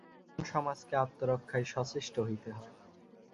তখন সমাজকে আত্মরক্ষায় সচেষ্ট হইতে হয়।